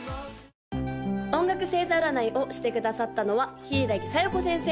・音楽星座占いをしてくださったのは柊小夜子先生！